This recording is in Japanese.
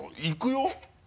いくよ？